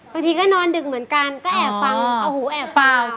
บางทีก็นอนดึกเหมือนกันก็แอบฟังเอาหูแอบฟัง